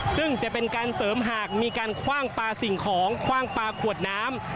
ซึ่งจะเป็นการเสริมหากมีการคว่างปลาสิ่งของคว่างปลาขวดน้ำ